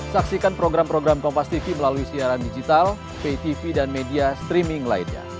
saksikan program program kompas tv melalui siaran digital pay tv dan media streaming lainnya